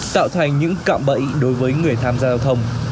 tạo thành những cạm bẫy đối với người tham gia giao thông